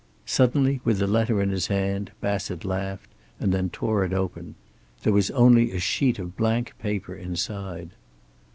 Suddenly, with the letter in his hand, Bassett laughed and then tore it open. There was only a sheet of blank paper inside.